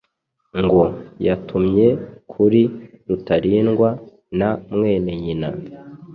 ngo yatumye kuri Rutalindwa na mwene nyina